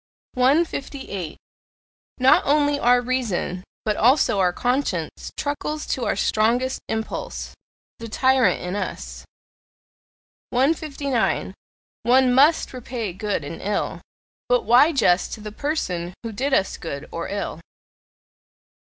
158. Not only our reason, but also our conscience, truckles to our strongest impulse the tyrant in us. 159. One MUST repay good and ill; but why just to the person who did us good or ill?